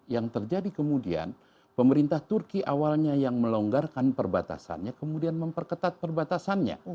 yang terjadi kemudian pemerintah turki awalnya yang melonggarkan perbatasannya kemudian memperketat perbatasannya